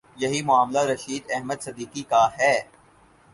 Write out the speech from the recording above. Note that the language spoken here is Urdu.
یہی معاملہ رشید احمد صدیقی کا ہے۔